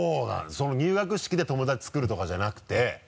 その入学式で友達つくるとかじゃなくて？